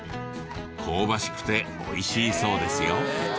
香ばしくて美味しいそうですよ。